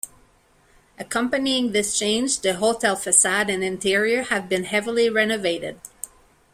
Accompanying this change, the hotel facade and interior have been heavily renovated.